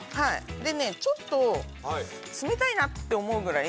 ちょっと、冷たいなと思うぐらい。